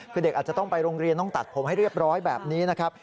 คือเด็กอาจจะต้องไปโรงเรียนต้องตัดผมให้เรียบร้อยแบบนี้นะครับ